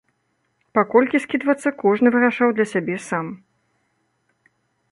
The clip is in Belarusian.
Па колькі скідвацца, кожны вырашаў для сябе сам.